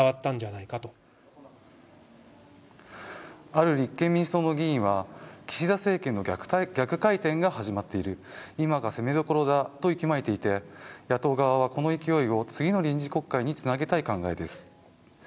ある立憲民主党の議員は、岸田政権の逆回転が始まっている、今が攻めどころだと息巻いていて野党側はこの勢いを次の臨時国会につなげたい考えです。